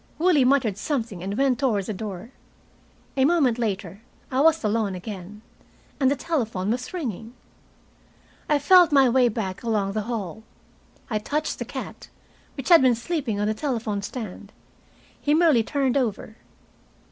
Willie muttered something, and went toward the door. A moment later I was alone again, and the telephone was ringing. I felt my way back along the hall. I touched the cat, which had been sleeping on the telephone stand. He merely turned over.